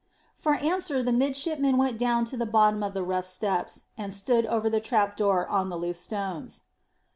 For answer the midshipman went down to the bottom of the rough steps, and stood over the trap door on the loose stones.